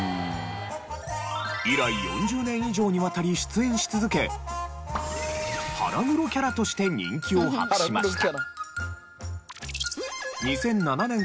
以来４０年以上にわたり出演し続け腹黒キャラとして人気を博しました。